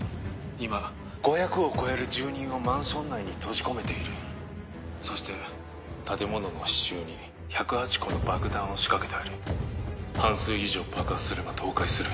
今５００を超える住人をマンション内に閉じ込めているそして建物の支柱に１０８個の爆弾を仕掛けてある半数以上爆破すれば倒壊する。